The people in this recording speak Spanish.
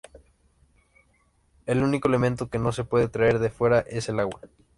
El único elemento que no se puede traer de fuera es el agua.